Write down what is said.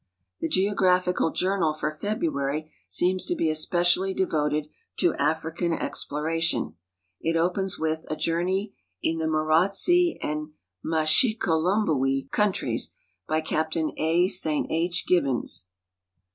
" The Geographical Journal" for February .^eems to be especially de voted to African exploration. It opens witli "A Journey in the Marotse and Mashikohunbwe Countries," by Cai.t. A. St II. Gibbons.